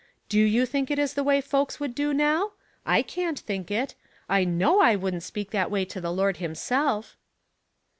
^'Do you think it is the way folks would do now? I can't think it. I know I wouldn't speak that way to the Lord himself."